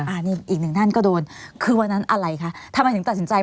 อันนี้อีกหนึ่งท่านก็โดนคือวันนั้นอะไรคะทำไมถึงตัดสินใจ